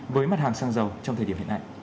với mặt hàng xăng dầu trong thời điểm hiện nay